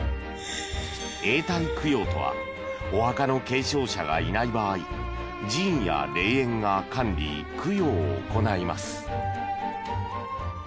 永代供養とはお墓の継承者がいない場合寺院や霊園が管理・供養を行います。